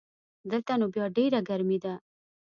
دلته نو بیا ډېره ګرمي ده